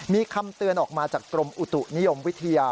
มีคำเตือนออกมาจากกรมอุตุนิยมวิทยา